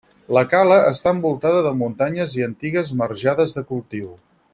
La cala està envoltada de muntanyes i antigues marjades de cultiu.